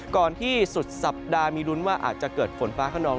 ก่อนที่สุดสัปดาห์มีลุ้นว่าอาจจะเกิดฝนฟ้าขนอง